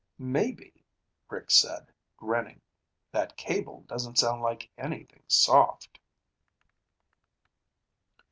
"Maybe," Rick said, grinning. "That cable doesn't sound like anything soft."